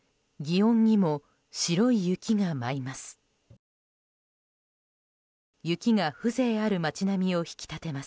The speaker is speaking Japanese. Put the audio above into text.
祇園にも白い雪が舞います。